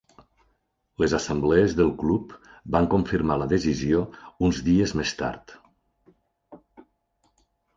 Les assemblees del club van confirmar la decisió uns dies més tard.